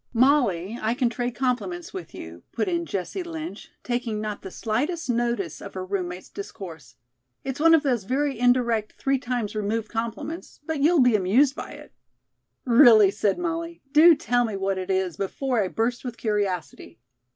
"Molly, I can trade compliments with you," put in Jessie Lynch, taking not the slightest notice of her roommate's discourse. "It's one of those very indirect, three times removed compliments, but you'll be amused by it." "Really," said Molly, "do tell me what it is before I burst with curiosity."